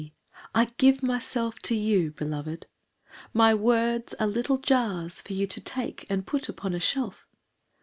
I give myself to you, Beloved! My words are little jars For you to take and put upon a shelf.